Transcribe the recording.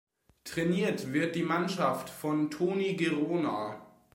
Trainiert wird die Mannschaft von Toni Gerona.